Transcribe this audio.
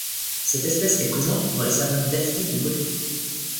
Cette espèce est présente dans les savanes d'altitude de Guadeloupe,